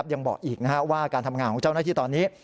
ยังบอกอีกว่าการทำงานของเจ้าหน้าที่ตอนนี้